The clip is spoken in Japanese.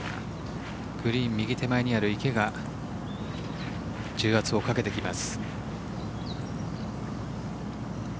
グリーン右手前にある池が重圧をかけてきます。